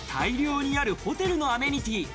大量にあるホテルのアメニティー。